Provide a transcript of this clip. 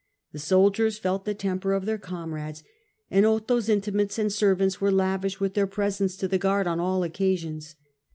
The soldiers felt the temper of their comrades, and Otho^s intimates and servants were lavish with their presents to the guard on all occasions.